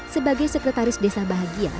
sebagai sekretaris desa bahagia